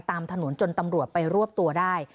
ตามถนนจนตำรวจไปรวบตัวได้